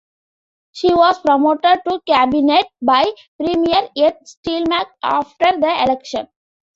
She was promoted to cabinet by Premier Ed Stelmach after the election.